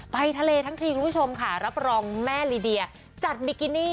ไปทะเลทั้งทีคุณผู้ชมค่ะรับรองแม่ลีเดียจัดบิกินี่